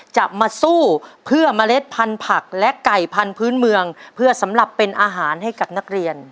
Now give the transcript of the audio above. จะมาสู้เพื่อเมล็ดพันธุ์ผักและไก่พันธุ์เมืองเพื่อสำหรับเป็นอาหารให้กับนักเรียน